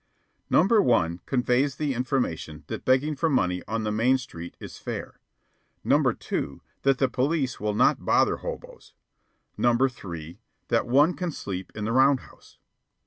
Number one conveys the information that begging for money on the main street is fair; number two, that the police will not bother hoboes; number three, that one can sleep in the round house.